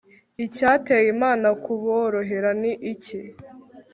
Icyateye Imana kuborohera ni iki?